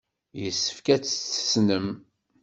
Yessefk ad tt-tessnem.